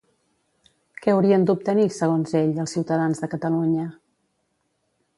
Què haurien d'obtenir, segons ell, els ciutadans de Catalunya?